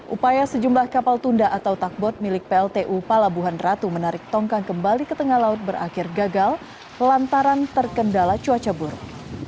upaya sejumlah kapal tunda atau takbot milik pltu palabuhan ratu menarik tongkang kembali ke tengah laut berakhir gagal lantaran terkendala cuaca buruk